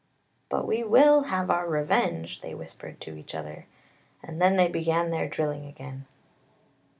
"" But we will have our revenge! " they whispered to each other, and then they began their drilling again.